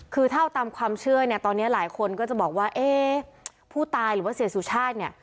คือถ้าเอาตามความเชื่อเนี่ยตอนนี้หลายคนก็จะบอกว่าเอ๊ะผู้ตายหรือว่าเสียสุชาติเนี่ย